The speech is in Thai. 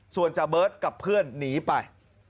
ส่วนจาเบิร์ตกับเพื่อนหนีไป